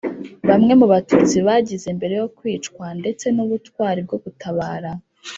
bamwe mu Batutsi bagize mbere yo kwicwa ndetse n ubutwari bwo gutabara